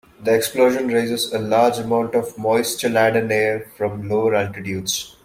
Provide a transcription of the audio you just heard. The explosion raises a large amount of moisture-laden air from lower altitudes.